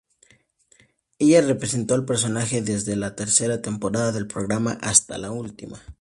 Ella representó al personaje desde la tercera temporada del programa hasta la última.